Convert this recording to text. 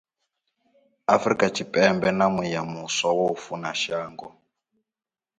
Afrika Tshipembe na muya muswa wa u funa shango.